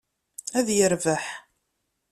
Ad yerbeḥ.